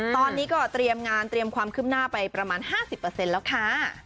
ตอนนี้ก็เตรียมงานเตรียมความขึ้นหน้าไปประมาณ๕๐แล้วค่ะ